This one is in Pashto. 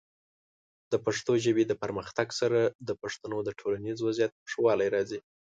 د پښتو ژبې د پرمختګ سره، د پښتنو د ټولنیز وضعیت ښه والی راځي.